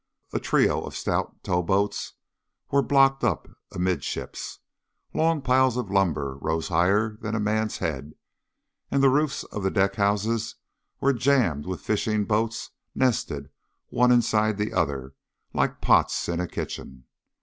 A trio of stout tow boats were blocked up amidships, long piles of lumber rose higher than a man's head, and the roofs of the deck houses were jammed with fishing boats nested, one inside the other, like pots in a kitchen.